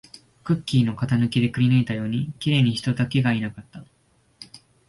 クッキーの型抜きでくりぬいたように、綺麗に人だけがいなかった